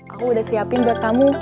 aku udah siapin buat tamu